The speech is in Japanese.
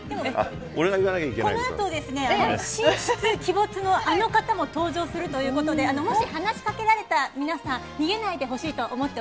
俺が言わなこのあと、神出鬼没のあの方も登場するということで、もし話しかけられた皆さん、逃げないであの人？